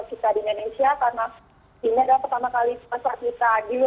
ini ada yang laku